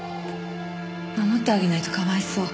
守ってあげないとかわいそう。